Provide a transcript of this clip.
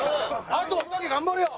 あとおたけ頑張れよ！